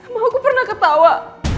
mama aku pernah ketawa